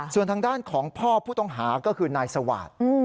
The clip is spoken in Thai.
ส่วนทางด้านของพ่อผู้ต้องหาก็คือนายสวาส